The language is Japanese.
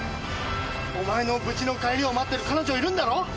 お前の無事の帰りを待ってる彼女いるんだろ？